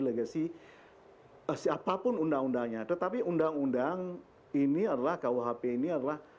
legacy siapapun undang undangnya tetapi undang undang ini adalah kuhp ini adalah